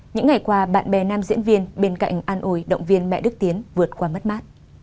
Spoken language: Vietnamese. những ngày qua bạn bè nam diễn viên bên cạnh an ồi động viên mẹ đức tiến vượt qua mất mát